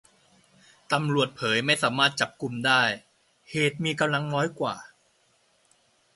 ตำรวจเผยไม่สามารถจับกุมได้ เหตุมีกำลังน้อยกว่า